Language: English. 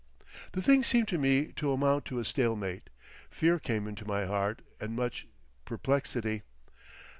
The thing seemed to me to amount to a stale mate. Fear came into my heart and much perplexity.